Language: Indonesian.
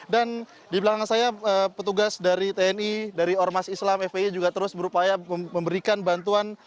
dan di belakang saya petugas dari tni dari ormas islam fpi juga terus berupaya memberikan bantuan